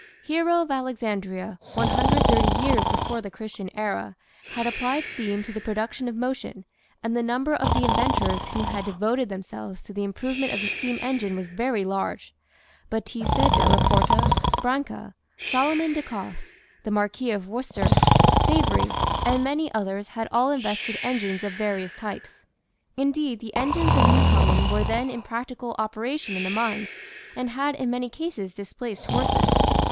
Hero of Alexandria, 130 years before the Christian era, had applied steam to the pro STEAM ENGINE SUGGESTED BY THE TEAKETTLE 183 duction of motion, and the number of the inventors who had devoted themselves to the improvement of the steam engine was very large Battista della Porta, Branca, Solomon de Caus, the Marquis of Worcester, Savery, and many others had all invented engines of various types. Indeed the engines of Newcomen were then in practical operation in the mines and had in many cases displaced horses.